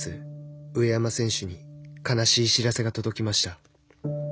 上山選手に悲しい知らせが届きました。